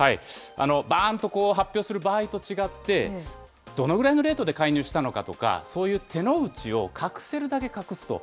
ばーんとこう、発表する場合と違って、どのぐらいのレートで介入したのかとか、そういう手の内を隠せるだけ隠すと。